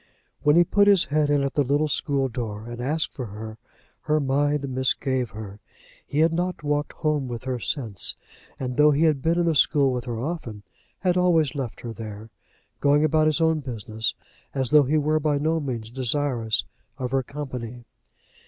When he put his head in at the little school door and asked for her, her mind misgave her. He had not walked home with her since, and though he had been in the school with her often, had always left her there, going about his own business, as though he were by no means desirous of her company.